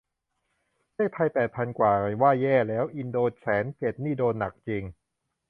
เลขไทยแปดพันกว่าว่าแย่แล้ว อินโดแสนเจ็ดนี่โดนหนักจริง